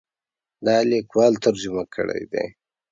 دا لیکوال ترجمه کړی دی.